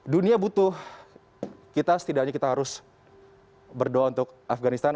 dunia butuh kita setidaknya kita harus berdoa untuk afganistan